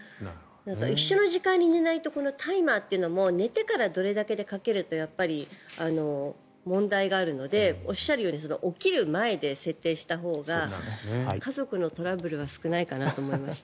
一緒の時間に寝ないとタイマーというのも寝てからどれだけでかけると問題があるのでおっしゃるように起きる前で設定したほうが家族のトラブルは少ないかなと思いました。